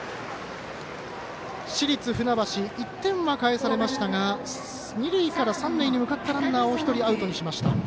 市立船橋、１点は返されましたが二塁から三塁に向かったランナーを１人、アウトにしました。